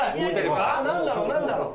何だろう何だろう。